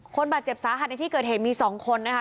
คนบาดเจ็บสาหัสในที่เกิดเหตุมี๒คนนะคะ